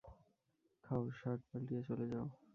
খাও, শার্ট পাল্টিয়ে চলে যাও।